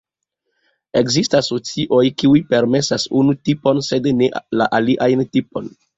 Ekzistas socioj, kiuj permesas unu tipon, sed ne la alian tipon.